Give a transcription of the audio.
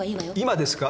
今ですか？